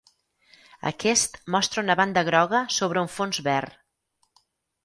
Aquest mostra una banda groga sobre un fons verd.